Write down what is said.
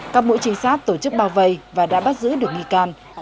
các mũi trinh sát tổ chức bao vây và đã bắt giữ được nghi can